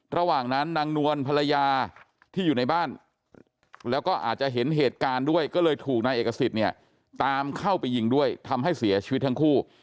ระหว่างนั้นนางนวลภรรยาที่อยู่ในบ้านแล้วก็อาจจะเห็นเหตุการณ์ด้วยก็เลยถูกนายเอกสิทธิ์เนี่ยตามเข้าไปยิงด้วยทำให้เสียชีวิตทั้งคู่